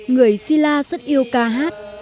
người si la rất yêu ca hát